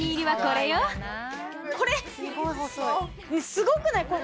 すごくない？えっ！